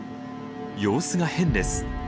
様子が変です。